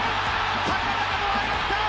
高々と上がった！